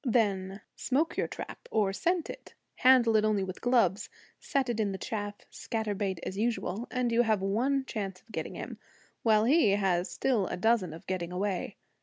Then smoke your trap, or scent it; handle it only with gloves; set it in the chaff; scatter bait as usual; and you have one chance of getting him, while he has still a dozen of getting away.